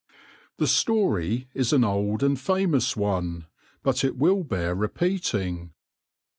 The story is an old and famous one, but it will bear repeating.